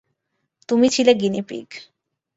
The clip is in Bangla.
তুমি ছিলে গিনিপিগ।